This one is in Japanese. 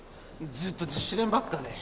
ずっと自主練ばっかで。